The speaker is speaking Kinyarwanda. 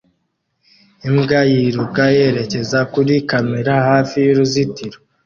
Imbwa yiruka yerekeza kuri kamera hafi y'uruzitiro